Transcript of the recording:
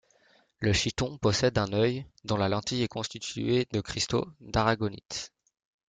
Le chiton possède un œil dont la lentille est constituée de cristaux d'aragonite.